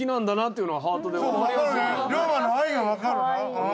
龍馬の愛が分かる。